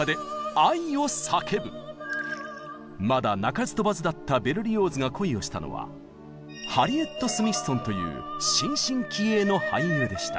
まだ鳴かず飛ばずだったベルリオーズが恋をしたのはハリエット・スミッソンという新進気鋭の俳優でした。